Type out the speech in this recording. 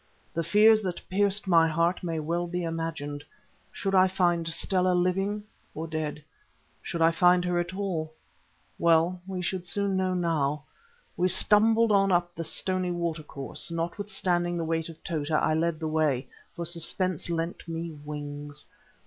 The fears that pierced my heart may well be imagined. Should I find Stella living or dead? Should I find her at all? Well, we should soon know now. We stumbled on up the stony watercourse; notwithstanding the weight of Tota I led the way, for suspense lent me wings.